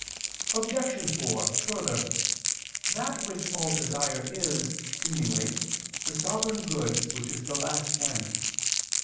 Obj. 4: Further, that which all desire is, seemingly, the sovereign good which is the last end.